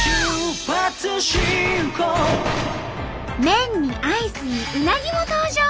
麺にアイスにうなぎも登場！